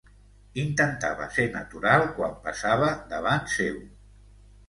Intentava ser natural quan passava davant seu.